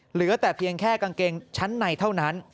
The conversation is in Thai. เหลือแต่เพียงแค่กางเกงชั้นในเท่านั้น